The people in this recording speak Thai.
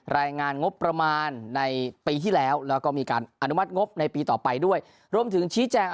รายงานงบประมาณในปีที่แล้วแล้วก็มีการอนุมัติงบในปีต่อไปด้วยรวมถึงชี้แจง